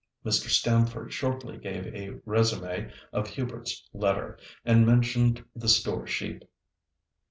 Mr. Stamford shortly gave a résumé of Hubert's letter, and mentioned the store sheep.